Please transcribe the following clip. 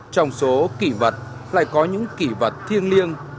trong số kỳ vật lại có những kỳ vật thiêng liêng